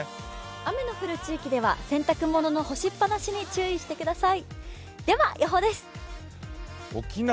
雨の降る地域では洗濯物の干しっぱなしに注意してください。